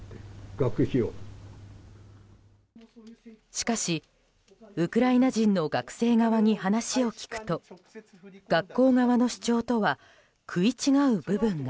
しかし、ウクライナ人の学生側に話を聞くと学校側の主張とは食い違う部分が。